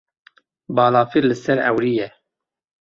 Balafir li ser ewrî ye.